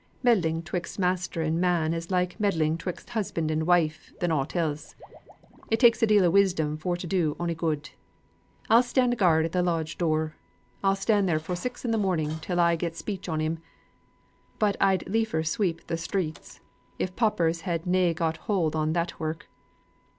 Meddling 'twixt master and man is liker meddling 'twixt husband and wife than aught else: it takes a deal of wisdom to do ony good. I'll stand guard at the lodge door. I'll stand there fro' six in the morning till I get speech on him. But I'd liefer sweep th' streets, if paupers had na' got hold on that work.